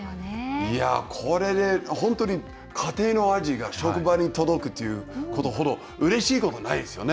これで本当に家庭の味が職場に届くということほどうれしいことはないですよね。